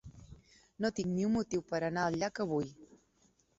No tinc ni un motiu per anar al llac avui.